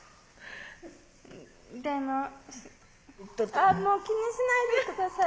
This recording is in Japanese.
「あっもう気にしないでください」。